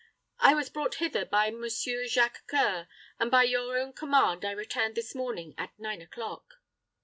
"I was brought hither by Monsieur Jacques C[oe]ur; and by your own command, I returned this morning at nine o'clock."